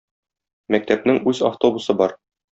Мәктәпнең үз автобусы бар.